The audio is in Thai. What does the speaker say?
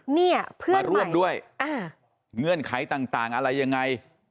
มารวบด้วยเอาเกือบไหลต่างอะไรยังไง